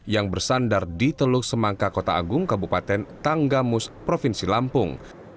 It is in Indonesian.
yang bersandar di teluk semangka kota agung kabupaten tanggamus provinsi lampung